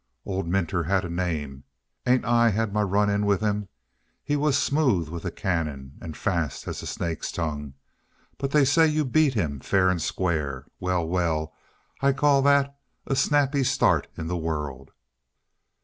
"Old Minter had a name. Ain't I had my run in with him? He was smooth with a cannon. And fast as a snake's tongue. But they say you beat him fair and square. Well, well, I call that a snappy start in the world!"